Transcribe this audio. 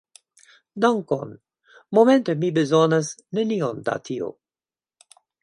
Dankon, momente mi bezonas nenion da tio.